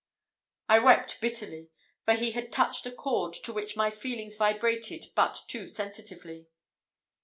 I wept bitterly, for he had touched a chord to which my feelings vibrated but too sensitively.